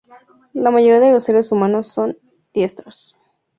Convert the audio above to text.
La mayoría de los seres humanos son diestros.